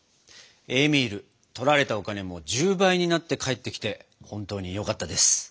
エーミールとられたお金も１０倍になって返ってきて本当によかったです。